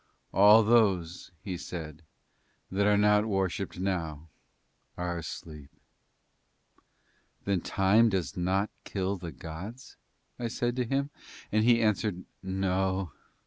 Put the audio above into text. "All those," he said, "that are not worshipped now are asleep." "Then does Time not kill the gods?" I said to him and he answered, "No.